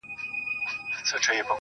ستا د هيندارو په لاسونو کي به ځان ووينم.